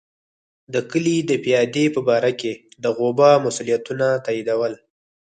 د کلي د پادې په باره کې د غوبه مسوولیتونه تاییدول.